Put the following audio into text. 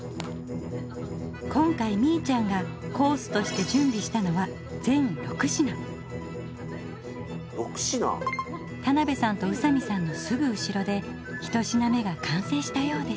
今回みいちゃんがコースとして準備したのは田辺さんと宇佐美さんのすぐ後ろで１品目が完成したようです。